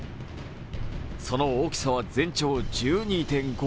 その大きさは全長１２．５ｍ。